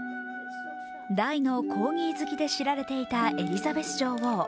大のコーギー好きで知られていたエリザベス女王。